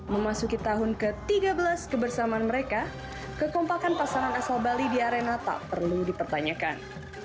memasuki tahun ke tiga belas kebersamaan mereka kekompakan pasangan asal bali di arena tak perlu dipertanyakan